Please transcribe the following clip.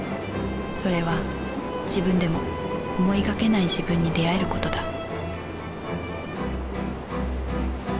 それは自分でも思いがけない自分に出会えることだ